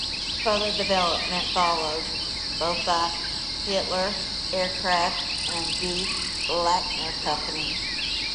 Further development followed, both by Hiller Aircraft and the De Lackner Company.